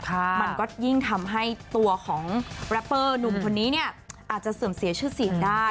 มันก็ยิ่งทำให้ตัวของแรปเปอร์หนุ่มคนนี้เนี่ยอาจจะเสื่อมเสียชื่อเสียงได้